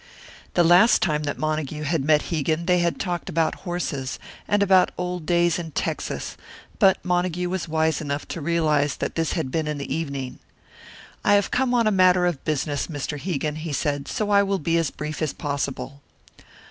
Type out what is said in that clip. The last time that Montague had met Hegan they had talked about horses, and about old days in Texas; but Montague was wise enough to realise that this had been in the evening. "I have come on a matter of business, Mr. Hegan," he said. "So I will be as brief as possible."